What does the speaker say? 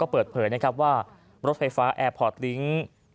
เปิดเผยว่ารถไฟฟ้าแอร์พอร์ตลิง